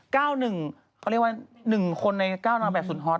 เขาเรียกว่าหนึ่งคนในก้าวน้ำแบบศูนย์ฮอต